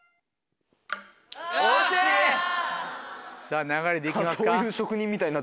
さぁ流れで行きますか？